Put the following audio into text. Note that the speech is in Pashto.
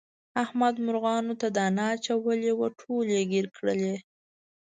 احمد مرغانو ته دانه اچولې وه ټولې یې ګیر کړلې.